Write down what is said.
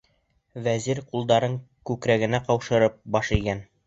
Вәзир, ҡулдарын күкрәгенә ҡаушырып, баш эйгән.